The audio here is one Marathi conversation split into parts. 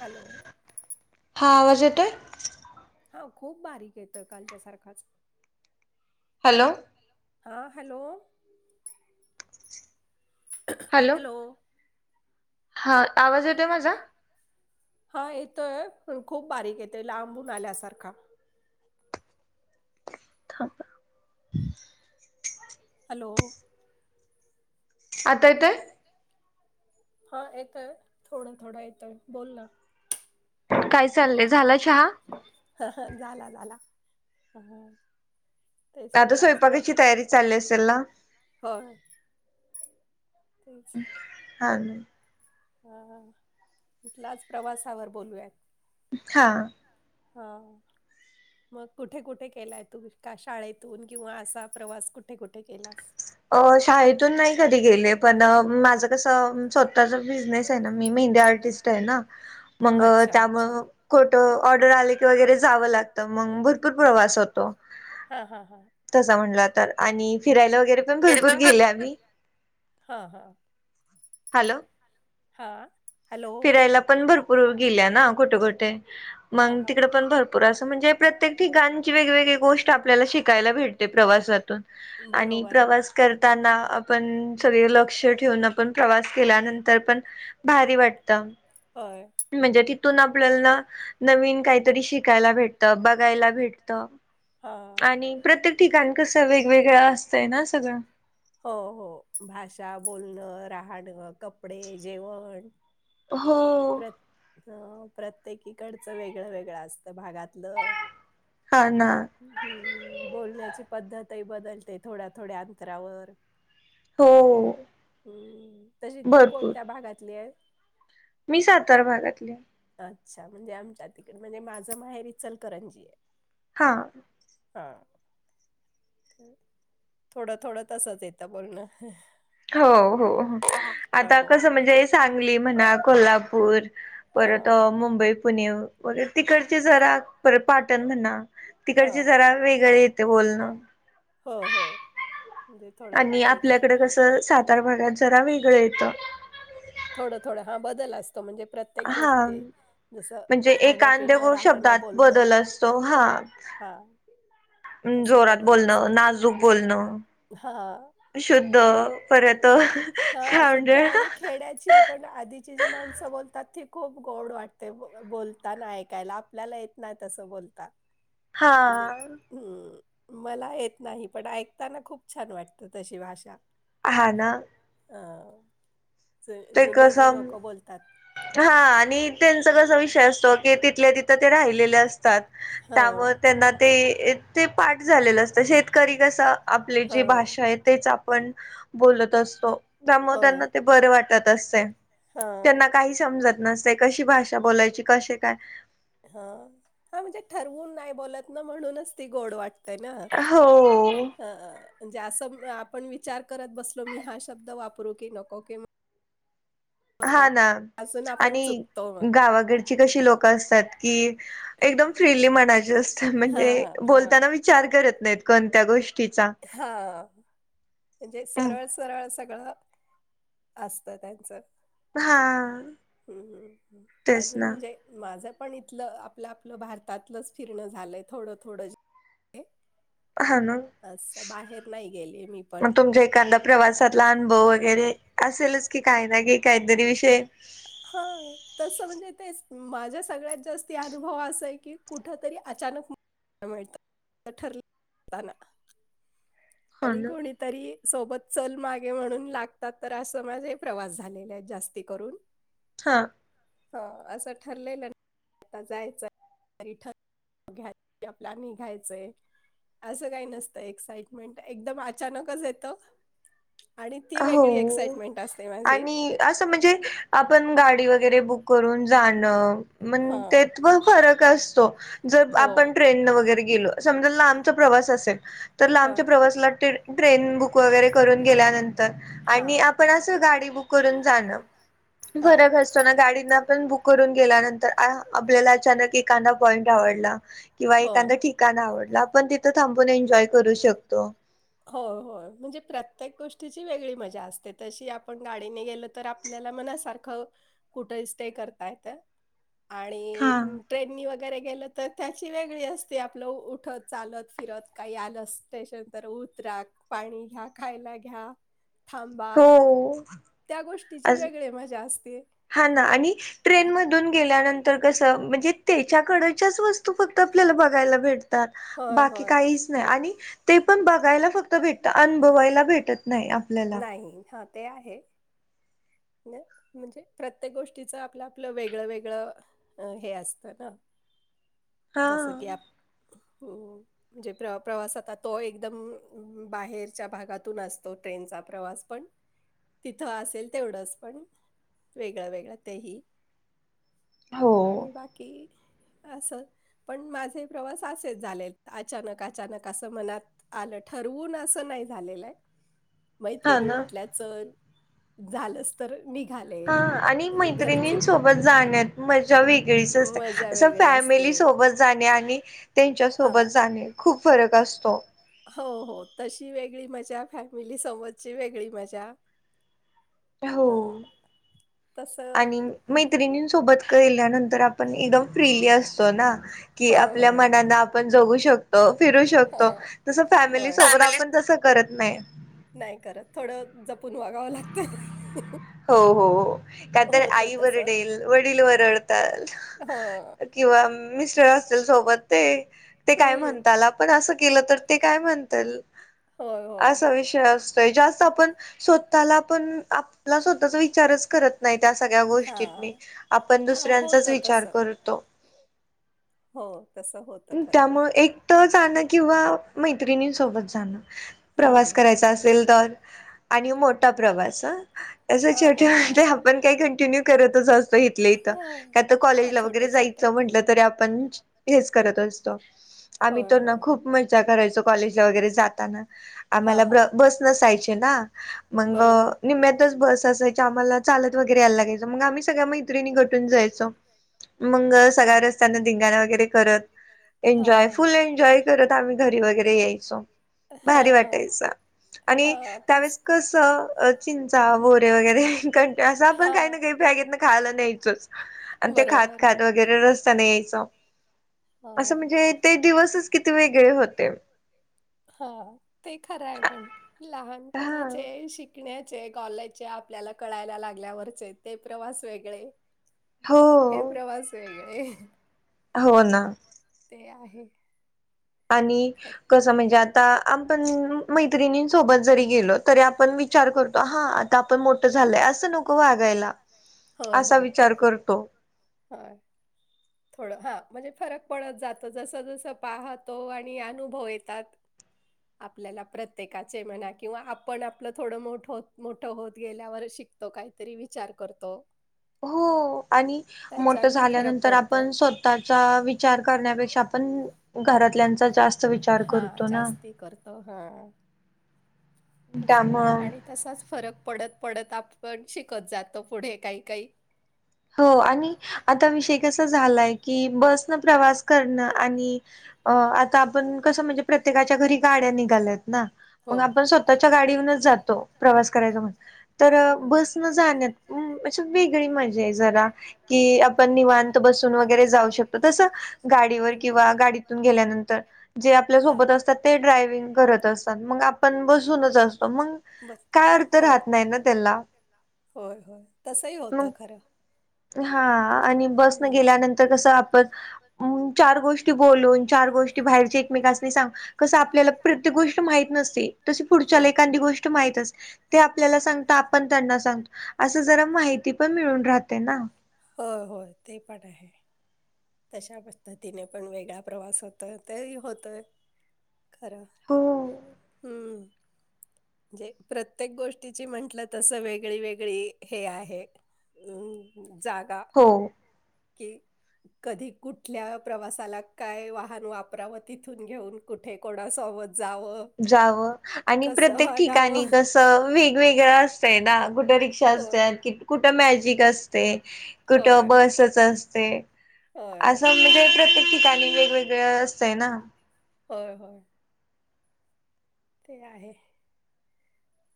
हॅलो हा आवाज येतोय हा खूप बारीक येतं कालच्या सारखाच. हॅलो. हां हॅलो. हॅलो. हा आवाज येतोय माझा. हा येतोय खूप बारीक येते लांबून आल्यासारखा थांबा. हॅलो. आता येतोय. हा येतोय थोडं थोडं येतंय बोल ना. काय चाललंय झाला चहा. ह झाला झाला. तेच आता म्हणलं आज प्र स्वयंपाकाची तयारी चालली असेल ना. होय. तेच. हां. अ कुठलाच प्रवासावर बोलूया. हा. हा. मग कुठे कुठे केलाय तू का शाळेतून किंवा असा प्रवास कुठे कुठे केलास. अ शाळेतून नाही कधी गेले पण माझं कसं स्वतःचा बिझनेस आहे ना मी मेंदे आर्ट आर्टिस्ट ये ना मग अच्छा त्यामु अच्छा कुठं ऑर्डर आले की वगैरे जावं लागतं मग भरपूर प्रवास होतो. हा हा हां. तसं म्हटलं तर आणि फिरायला वगैरे. भरपूर गेले आम्ही हा हा हॅलो. हा. हॅलो फिरायला पण भरपूर गेल्या ना कुठे कुठे हा मग तिकड हा पण भरपूर. भरपूर असं म्हणजे प्रत्येक ठीकांची वेगवेगळी गोष्ट आपल्याला शिकायला भेटते प्रवासातून आणि बरोबर. आहे. प्रवास करताना आपण सगळे लोक लक्ष ठेवून आपण प्रवास केल्यानंतर पण भारी वाटत. होय. म्हणजे तिथून आपल्याला. नवीन काहीतरी शिकायला भेटत बघायला भेटत. हां. आणि प्रत्येक ठिकाण कसं वेगवेगळं असतंय ना सगळं. हो हो भाषा बोलणं राहणं कपडे जेवण. हो. ह प्रत्येकीकडचं वेगळं वेगळं असतं भागातलं. हा ना. हम्म बोलण्याची पद्धतही बदलते थोड्या थोड्या अंतरावर हो हम्म तशी तू भरपूर कोणत्या भागातली आहे. मी सातार भागातली. अच्छा म्हणजे आमच्या तिकड म्हणजे माझं माहेरी इचलकरंजी आहे. हां. हा. थोडं थोडं तसंच येतं बोलणं. हो हो पण आता कसं हां. म्हणजे सांगली म्हणा कोल्हापूर. हां. परत मुंबई पुणे वगैरे तिकडचे जरा परत पाटण म्हणा अ, तिकडचे हां. जरा वेगळे येते बोलणं. हो हो. आणि आपल्याकडे कसं सातार भागात जरा वेगळं येतं. थोडं थोडं हा बदल असतो म्हणजेत्ये प्रत्येक हा गोष्टी जसं म्हणजे खाणं पिणं राहणं बोलणं. सहाग हा तसा जोरात बदल असतो बोलणं नाजूक बोलणं हा शुद्ध आणि परयत हा खाऊड शुद्ध आणि खेड्याची पण आधीची जी माणसं बोलतात ती खूप गोड वाटते बोलताना ऐकायला आपल्याला येत नाही तसं बोलतात हा म्हणजे हम्म मला येत नाही पण ऐकताना खूप छान वाटतं तशी भाषा ह ना अ ते जुनी जी कसं लोकं बोलतात हा आणि त्यांच कसा विषय असतो की तिथल्या तिथं ते राहिलेले असतात त्यामुळे हां. त्यांना ते ते पाठ झालेलं असतं शेतकरी कसं आपले जे हां. भाषा आहे तेच बत असतो त्यामुळे होय. त्यांना ते बर वाटत असते त्यांना हां. काही समजत नसते कशी भाषा बोलायची कसे काय हा हा म्हणजे ठरवून नाही बोलत ना म्हणूनच ती गोड वाटते त ना हो म्हणजे असं आपण विचार करत बसलो मी हा शब्द वापरू की नकोी हा ना अजून आपण आणि चुकतो मग. गावाकड लोक असतात क एक फ म अस म्हणजे हां, ब हां. विचार करत नाहीत कोणत्या गोष्टी हा म्हणजे सरळ सरळ सगळं असत त्यांच हा हम्म हम् तेच अजून ना म्हणजे माझं पण इथलं आपलं आपलं भारतातलंच फिरण झालंय थोडं थोडं अहन अस बाहेर नाही गेले मी पण तमज प्रवासातला अनुभव वगैरे असेलच की काही ना की काहीतरी विषय हा तस म्हणजे तेच माझा सगळ्यात जास्त अनुभव असा आहे की कुठ तरी अचानक मिळतात ठरताना हा आणि ना कोणी तरी सोबत चल मागे म्हणून लागतात तर अस स माझे प्रवास झालेले आहेत जास्ती करून हां हो असं ठरलेलं आता जायचंय तरी ठर घ्या आपला निघायचंय असं काही नसतं एक्साइट मिनट एकदम अचानकच येतं आणि ती वेगळी हो एक्साइटमेंट असते माझी आणि असं म्हणजे आपण गाडी वगैरे बुक करून जाणं मण हां, तेथ प फरक असतो जर हो. आपण ट्रेनन वगैरे गेलो समजा लांबचा प्रवास असेल तर लांबच्या होय. प्रवासला ते ट्रेन बुक वगैरे करून गेल्यानंतर आणि हां. आपण [unintelligible] गेल्यानंतर हा आपल्याला अचा ए पॉट आवडला किंवा एा होय. काण आवडला आपण तिथं थांबून एन्जॉय करू शकतो हो हो म्हणजे प्रत्येक गोष्टीची वेगळी मजा असते तशी आपण गाडीने गेलो तर आपल्याला मनासारखं कुठे स्टे करता येत हा. आणि ट्रेननी वगैरे गेलं तर त्याची वेगळी असते आपलं उठत चालत फिरत काही आलं स्टेशन तर उतरा पाणी घ्या खायला घ्या थांबा हो त्या गोष्टीची आज वेगळे मजा असते हा ना आणि ट्रेन मधून गेल्यानंतर कसं म्हणजे त्याच्याकडच्याच वस्तू फक्त आपल्याला बघायला भेटत तर होय, बाकी होय. काहीच नाही आणि ते पण बघायला फक्त भेटत अनभवायला भेटत नाही आपल्याला. नाही हा ते आहे म्हणजे प्रत्येक गोष्टीच आपलं आपलं वेगळं वेगळं अ हे असत ना हा. जसं की आप म्हणजे प्र प्रवासता तो एकदम बाहेरच्या भागातून असतो ट्रेनचा प्रवास पण तिथं असेल तेवढंच पण वेगळं वेगळं तेही हो आणि बाकी असं पण माझे प्रवास असेच झाले अचानक अचानक असं मनात आलं ठरवून असं नाही झालेलं आहे हा मैत्रिणी ना. म्हटल्या चल झालंच तर निघाले हा आणि घरचे मैत्रिणींसोबत जाण्यात मजा वेगळीच मजा वेगळी असते फॅमिली सोबत जाणे आणि त्यांच्या हा सोबत जाणे खूप फरक असतो हो हो तशी वेगळी मजा फॅमिलीसोबतची वेगळी मजा हो. हा आणि मैत्रिणीं सोबत ल्यानंतर आपण एकदम फ्रीली असतो ना की होय, आपल्या होय. मना आपण जगू शकतो फिरू शकतो हां, तस फॅमिली होय. सोबत आपण तसं करत नाही नाही करत थोडं जपून वागावं लागतं हो हो कात होतं आई तसं. वरडेल वडील वरडताल हां, किंवा मिस्टर असतील सोबत ते ते काय हं. म्हणताल आपण असं केलं तर ते काय म्हणता होय, होय. असा विषय असतो जास्त आपण स्वतःला पण आपला स्वतःचा विचारच करत नाही त्या सगळ्या गोष्टीत म हां. आपण हां, दुसऱ्यांचाच होतं विचार तसं. करतो हो तस होत त्यामु एक तर जाणं किंवा मैत्रिणीं सोबत जाणं प्रवास हं. करायचा असेल तर आणि मोठा प्रवास तस हां, मोठा. छेवटे पण काही कंटिन्यू करतच असत घेतलं इथ हां, काय हां, कॉलेजला वगैरे छोटे-छोटे. जायचं म्हटलं तरी आपण हेच असतो आम्ही होय, तर ना होय. खूप मजा करायचो कॉलेजला वगैरे जाताना हा आम्हाला ब हा बस नसायचे ना मग बरोबर निम्म्यातच बस असायची आम्हाला लत वगैरे यायला लागायचं मग आम्हीग्या मैत्रणी घटून जायचो मग हा सगळ रस्त्यांना ंगाण वगैरे करत हा एन्जॉय फुल एन्जॉय करत आम्ही घरी वगैरे यायचो भारी हा वाटायचा आणि हा तेच त्यावेळेस कसं चिंचा बोरे वगैरे कंट असं हा आपण काही ना काही प घेत न खायला न्यायचंच आणि ते खात बरोबर आहे खात वगैरे रस्ता नाही यायचं हो असं म्हणजे ते दिवसच किती वेगळे होते हा ते खरं आहे पण हा लहानपणाचे शिक शिकण्याचे कॉलाचे आपल्याला कळायला लागल्यावरचे ते प्रवास वेगळे हो हे प्रवास वेगळे हो ना ते आहे आणि खरं कसं म्हणजे आता आप पण मैत्रिणी सोबत जरी गेलो तरी आपण विचार करतो हा आता आपण मोठं झालय असं नको वागायला होय असा होय विचार करतो होय थोडं हा म्हणजे फरक पडत जातं जसं जसं पाहतो आणि अनुभव येतात आपल्याला प्रत्येकाचे म्हणा किंवा आपण आपलं थोडं मोठत मोठं होत गेल्यावर शिक तो काहीतरी विचार करतो हो आणि मोठ त्याच्यानी फरक झाल्यानंतर पडतो. आपण स्वतः चा विचार करण्यापेक्षा आपण घरातल्याचा जास्त विचार हा करतो ना जास्ती करतो हा तस त्यामुळं आणि तसाच फरक पडत पडत आपण शिकत जातो पुढे काही काही हो आणि आता विषय कसा झालाय की बसन प्रवास करणं आणि अ आता आपण कसं म्हणजे प्रत्येकाच्या घरी गाड्या निघाल्यात ना हो. मग आपण स स्वतःच्या गाडीहूनच जातो प्रवास करायचा म्हण तर हां, हं. बस न जाण्यात अ वेगळी म म्हंजे जरा की आपण निवांत बसुन वैगेरे जाऊ शकतो तस गाडीवर किंवा गाडीत तुन गेल्या नंतर जे अपल्या हां. सोबत असतात ते ड्रायव्हिंग करत असतात मग आपण बसुन बसुनच असतो मग बरं. काय अर्थ हो. राहत नाही ना त्याला होय होय तसही मग होतं खरं हा ते आणि बस न हं. गेल्यानंतर कस आपण म चार गोष्टी बोलून चार गोष्टी की बाहेरच्या एकमेकांसनी सांग कसं आपल्याला प्रत्येक गोष्ट माहीत नसते तशी पुढच्या आपल्याला लो हो. एखांदी गोष्ट माहितच ते आपल्याला सांगत आपण त्यांना सांगतो असं जरा माहिती पण मिळून राहते ना हो होय ते पण आहे तशा पद्धतीने पण वेगळा प्रवास होतो तेही होतय खर हो हम्म जे प्रत्येक गोष्टीची म्हंटलं तस वेगळी वेगळी हे आहे ह जागा हो कि कधी कुठल्या प्रवासाला काय वाहन वापरावं तिथून घेऊन कुठे कोणासोबत जावं जावं आणि कसं प्रत्येक ठिकाणी वागावं. कस वेगवेगळ असतंय ना कुट रिक्षा होय. [unintelligible] कुठ मॅजिक असते कुठं होय. बसच असते होय, असं म्हणजे प्रत्येक ठिकाणी वेग वेगळ असतंय ना होय होय ते आहे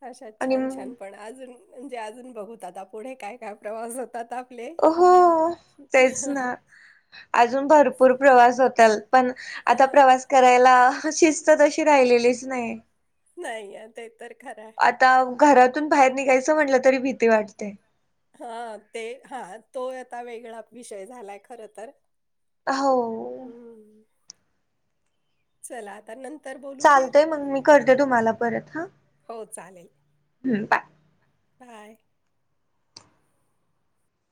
अशात आणि छान छान पण अजून म्हणजे अजून बघूत आता पुढे काय काय प्रवास होतात आपले अ हो तेच ना अजून भरपूर प्रवास होतल पण आता हा, प्रवास करायला शिस् तशी राहिलेलीच नाही नाही अ ते तर खराय आता घरातून बाहेर निघायचं म्हटलं तरी भीती वाटते हा ते हा तो आता वेगळा विषय झालाय खर तर हो हम्म. चला नंत चालतय मग मी करते तुम्हाला परत हा हो चालेल हम बाय बाय